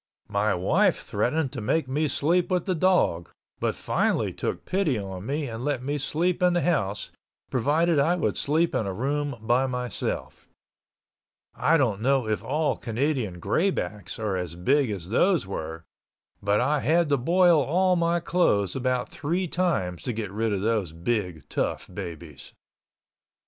My wife threatened to make me sleep with the dog, but finally took pity on me and let me sleep in the house, providing I would sleep in a room by myself. I don't know if all Canadian Greybacks are as big as those were, but I had to boil all my clothes about three times to get rid of those big tough babies.